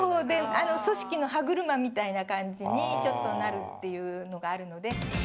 で組織の歯車みたいな感じにちょっとなるっていうのがあるので。